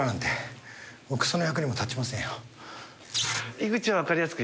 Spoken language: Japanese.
井口は分かりやすく。